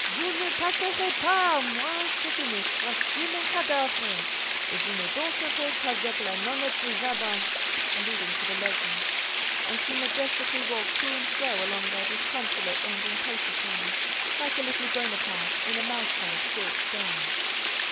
"Vous ne passerez pas à moins que ce ne soit sur mon cadavre, et vous ne danserez qu'avec la nonnette du jardin" (alluding to the legend). And she majestically walked to and fro along their disconsolate and impatient line, like a little Bonaparte in a mouse coloured silk gown.